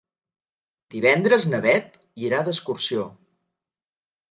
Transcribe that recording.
Divendres na Bet irà d'excursió.